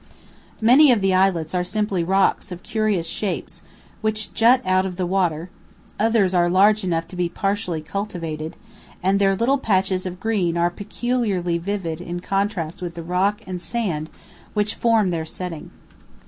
Many of the islets are simply rocks of curious shapes which jut out of the water; others are large enough to be partially cultivated, and their little patches of green are peculiarly vivid in contrast with the rock and sand which form their setting.